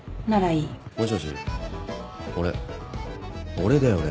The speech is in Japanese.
俺だよ俺」